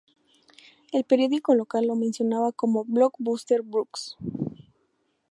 El periódico local lo mencionaba como "Blockbuster Brooks".